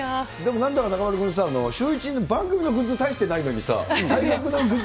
なんだか中丸君さ、番組のグッズ大してないのに体格のグッズ